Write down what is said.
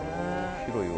広いわ。